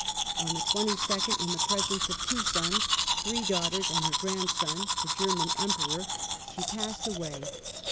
On the 22nd, in the presence of two sons, three daughtei s, and her grandson, the German Emperor, she passed away.